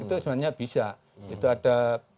itu sebenarnya bisa